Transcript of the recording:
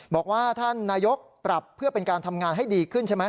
บอกว่าท่านนายกปรับเพื่อเป็นการทำงานให้ดีขึ้นใช่ไหม